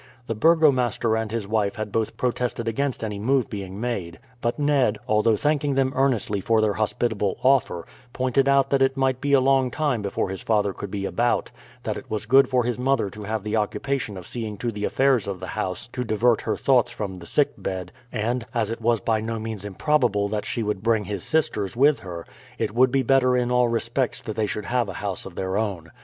The burgomaster and his wife had both protested against any move being made; but Ned, although thanking them earnestly for their hospitable offer, pointed out that it might be a long time before his father could be about, that it was good for his mother to have the occupation of seeing to the affairs of the house to divert her thoughts from the sick bed, and, as it was by no means improbable that she would bring his sisters with her, it would be better in all respects that they should have a house of their own.